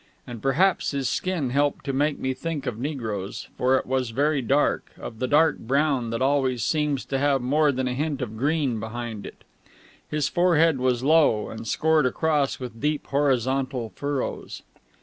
And perhaps his skin helped to make me think of negroes, for it was very dark, of the dark brown that always seems to have more than a hint of green behind it. His forehead was low, and scored across with deep horizontal furrows.